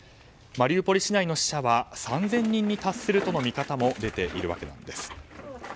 マリウポリ市内の死者は３０００人に達するとの見方も出ているわけです。